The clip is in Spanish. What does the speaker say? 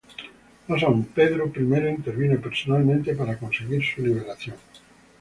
Más aún, Pedro I intervino personalmente para conseguir su liberación.